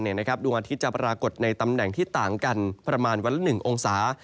ดวงอาทิตย์จะปรากฏในตำแหน่งที่ต่างกันประมาณวันละ๑องศา